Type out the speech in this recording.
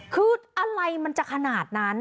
คืออะไรมันจะขนาดนั้น